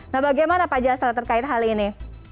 nah bagaimana pak jasra terkait hal ini